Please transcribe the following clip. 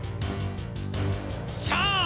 さあ